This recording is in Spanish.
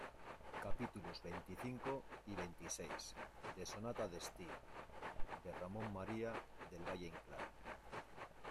capítulos veinticinco y veintiséis de Sonata de estío, de Ramón María del Valle-Inclán.